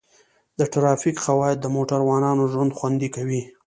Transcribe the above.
د ټرافیک قواعد د موټروانو ژوند خوندي کوي.